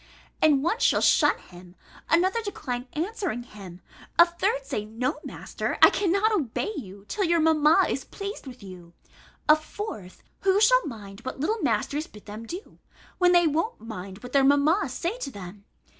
And one shall shun him, another decline answering him, a third say, "No, master, I cannot obey you, till your mamma is pleased with you"; a fourth, "Who shall mind what little masters bid them do, when they won't mind what their mammas say to them?"